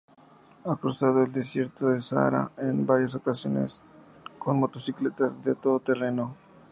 Ha cruzado el desierto del Sáhara en varias ocasiones con motocicletas de todoterreno.